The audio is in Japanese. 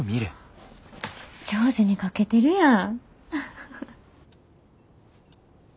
上手に描けてるやん。